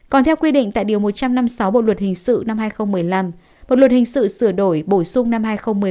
còn theo quy định tại điều một trăm năm mươi sáu bộ luật hình sự năm hai nghìn một mươi năm bộ luật hình sự sửa đổi bổ sung năm hai nghìn một mươi năm